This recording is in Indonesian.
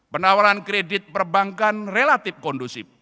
penawaran kredit perbankan relatif kondusif